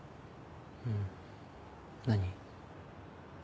うん何？